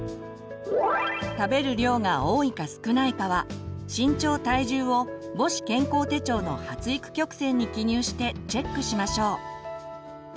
食べる量が多いか少ないかは身長・体重を母子健康手帳の発育曲線に記入してチェックしましょう。